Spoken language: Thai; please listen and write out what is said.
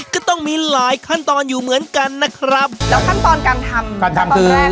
ก็ต้องมีหลายขั้นตอนอยู่เหมือนกันนะครับแล้วขั้นตอนการทำการทำตอนแรก